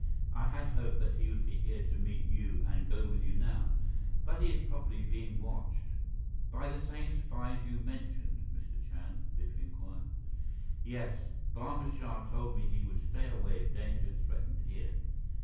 I had hoped that he would be here to meet you and go with you now, but he is probably being watched." "By the same spies you mentioned, Mr. Chand?" Biff inquired. "Yes. Barma Shah told me he would stay away if danger threatened here.